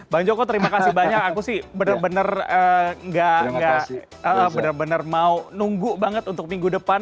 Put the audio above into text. bang joko terima kasih banyak aku sih bener bener gak bener bener mau nunggu banget untuk minggu depan